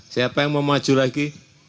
siapa yang mau maju lagi